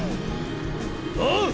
おう！